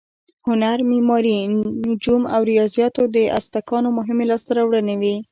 هنر، معماري، نجوم او ریاضیاتو د ازتکانو مهمې لاسته راوړنې وې.